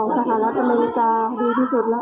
ดีค่ะของสหรัฐบรรยาที่ดีที่สุด